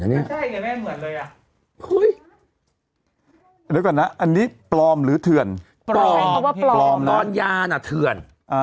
เดี๋ยวก่อนนะอันนี้ปลอมหรือเทือน